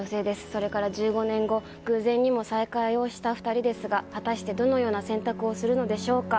それから１５年後偶然にも再会をした２人ですが果たしてどのような選択をするのでしょうか。